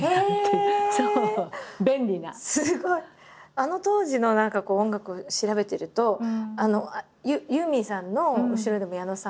あの当時の何か音楽を調べてるとユーミンさんの後ろでも矢野さん。